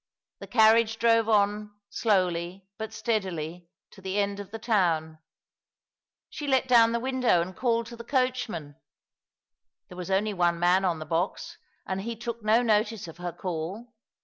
The carriage drove on, slowly, but steadily, to the end of the town. She let down the window and called to the coachman. There was only one man on the box, and he took no notice of her call.